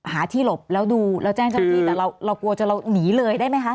หาที่หลบแล้วดูแล้วแจ้งเจ้าหน้าที่แต่เรากลัวจะเราหนีเลยได้ไหมคะ